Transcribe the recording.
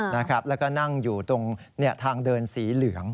แล้วก็นั่งอยู่ตรงทางเดินสีเหลือง